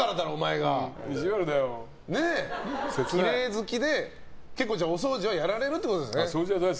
きれい好きで結構お掃除はやられるということですね。